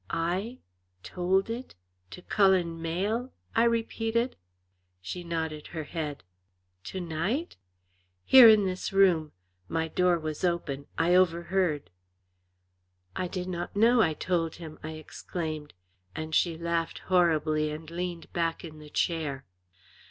"I told it to Cullen Mayle?" I repeated. She nodded her head. "To night?" "Here in this room. My door was open. I overheard." "I did not know I told him," I exclaimed; and she laughed horribly and leaned back in the chair.